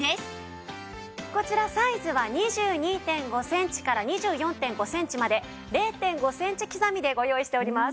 こちらサイズは２２．５センチから２４．５センチまで０．５センチ刻みでご用意しております。